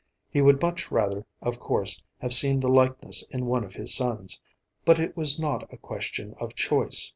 He would much rather, of course, have seen this likeness in one of his sons, but it was not a question of choice.